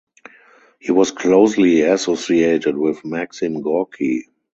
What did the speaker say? He was closely associated with Maxim Gorky.